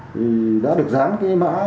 thì đã được dán cái mã